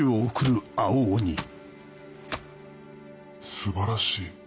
素晴らしい。